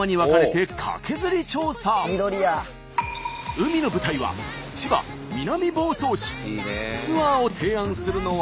海の舞台はツアーを提案するのは。